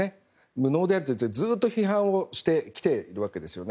無能であると言ってずっと批判をしてきているわけですよね。